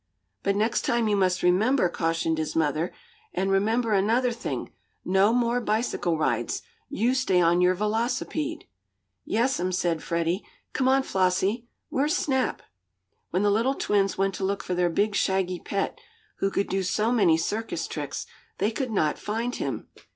"But next time you must remember," cautioned his mother. "And remember another thing no more bicycle rides you stay on your velocipede." "Yes'm," said Freddie. "Come on, Flossie. Where's Snap?" When the little twins went to look for their big, shaggy pet, who could do so many circus tricks, they could not find him.